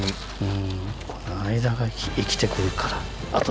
うんこの間が生きて来るから後で。